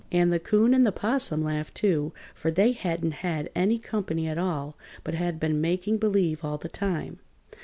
And the 'Coon and 'Possum laughed, too, for they hadn't had any company at all, but had been making believe all the time.